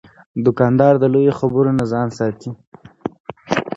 دوکاندار د لویو خبرو نه ځان ساتي.